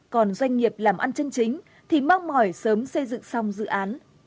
còn doanh nghiệp làm ăn chân chính thì mong mỏi sớm xây dựng xong dự án